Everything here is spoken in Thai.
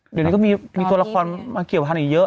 เดี๋ยวนี้ก็มีตัวละครมาเกี่ยวพันธุ์อีกเยอะ